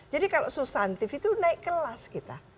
jadi kalau substansi itu naik kelas kita